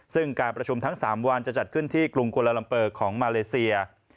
ซึ่งการประชุมทั้ง๓วันจะจัดขึ้นที่กรุงโกลาลัมเปอร์ของมาเลเซีย